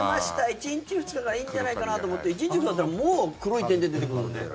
１日、２日ならいいんじゃないかなと思って１日、２日たったらもう黒い点々出てくるもんね。